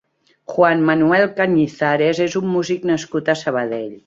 Juan Manuel Cañizares és un músic nascut a Sabadell.